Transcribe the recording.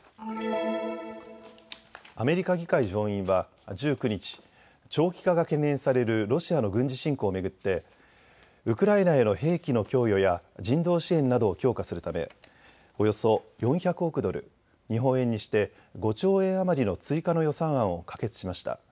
アメリカ議会上院は１９日長期化が懸念されるロシアの軍事侵攻を巡ってウクライナへの兵器の供与や人道支援などを強化するためおよそ４００億ドル、日本円にして５兆円余りの追加の予算案を可決しました。